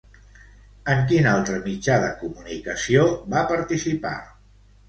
En quin altre mitjà de comunicació va participar?